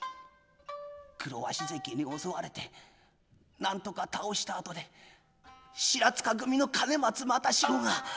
「黒鷲関に襲われてなんとか倒したあとで白柄組の兼松又四郎が竹槍で」。